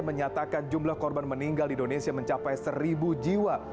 menyatakan jumlah korban meninggal di indonesia mencapai seribu jiwa